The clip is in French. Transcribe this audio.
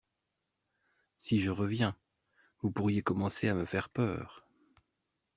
Si je reviens. Vous pourriez commencer à me faire peur.